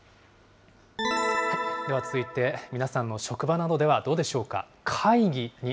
では、続いて皆さんの職場などではどうでしょうか。